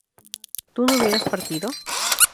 ¿tú no hubieras partido?